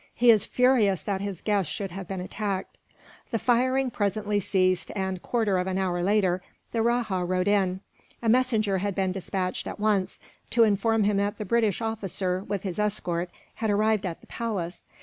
He is furious that his guests should have been attacked." The firing presently ceased and, a quarter of an hour later, the rajah rode in. A messenger had been despatched, at once, to inform him that the British officer, with his escort, had arrived at the palace.